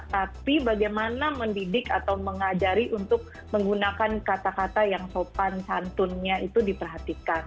tapi bagaimana mendidik atau mengajari untuk menggunakan kata kata yang sopan santunnya itu diperhatikan